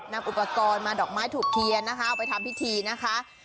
นำอุปกรณ์มาดอกไม้ถูกเทียนนะคะเอาไปทำพิธีนะคะ